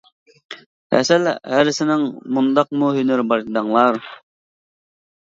ھەسەل ھەرىسىنىڭ مۇنداقمۇ ھۈنىرى بار دەڭلار.